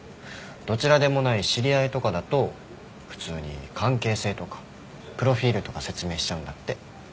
どちらでもない知り合いとかだと普通に関係性とかプロフィールとか説明しちゃうんだって。